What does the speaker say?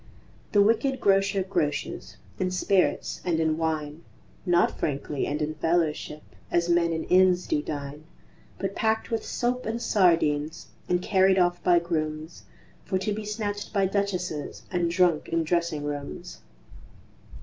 The wicked Grocer groces In spirits and in wine, Not frankly and in fellowship As men in inns do dine; But packed with soap and sardines And carried off by grooms, For to be snatched by Duchesses And drunk in dressing rooms.